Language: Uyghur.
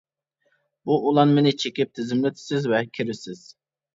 بۇ ئۇلانمىنى چېكىپ، تىزىملىتىسىز ۋە كىرىسىز.